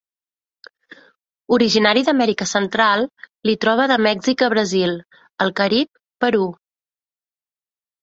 Originari d'Amèrica central, l'hi troba de Mèxic a Brasil, el Carib, Perú.